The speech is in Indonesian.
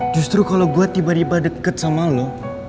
justru kalo gua tiba tiba deket sama lo